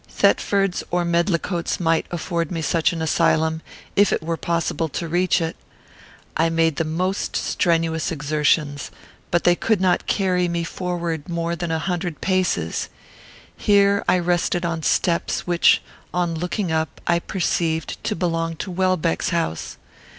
Thetford's or Medlicote's might afford me such an asylum, if it were possible to reach it. I made the most strenuous exertions; but they could not carry me forward more than a hundred paces. Here I rested on steps, which, on looking up, I perceived to belong to Welbeck's house.